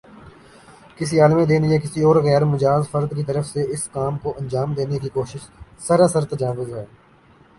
کسی عالمِ دین یا کسی اور غیر مجاز فرد کی طرف سے اس کام کو انجام دینے کی کوشش سراسر تجاوز ہے